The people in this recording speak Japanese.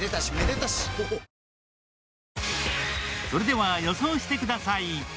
それでは予想してください。